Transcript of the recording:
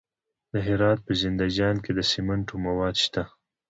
د هرات په زنده جان کې د سمنټو مواد شته.